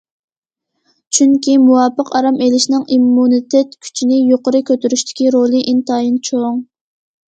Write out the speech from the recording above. چۈنكى، مۇۋاپىق ئارام ئېلىشنىڭ ئىممۇنىتېت كۈچىنى يۇقىرى كۆتۈرۈشتىكى رولى ئىنتايىن چوڭ.